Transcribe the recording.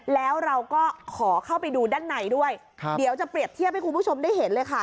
แล้วเราก็ขอเข้าไปดูด้านในด้วยเดี๋ยวจะเปรียบเทียบให้คุณผู้ชมได้เห็นเลยค่ะ